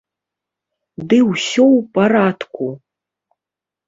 Ды ўсё ў парадку!